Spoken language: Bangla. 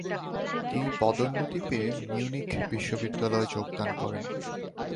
তিনি পদোন্নতি পেয়ে মিউনিখ বিশ্ববিদ্যালয়ে যোগদান করেন।